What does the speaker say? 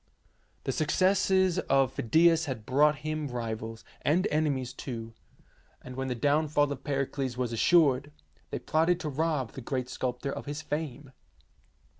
The success of Phidias had brought him rivals, and enemies too, and when the down fall of Pericles was assured, they plotted to rob the great sculptor of his fame.